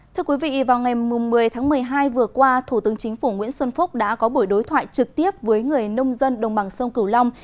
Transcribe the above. thưa quý vị vào ngày một mươi tháng một mươi hai vừa qua thủ tướng chính phủ nguyễn xuân phúc đã có buổi đối thoại trực tiếp với người nông dân đồng bằng sông cửu long